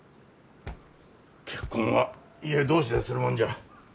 結婚は家同士でするもんじゃ。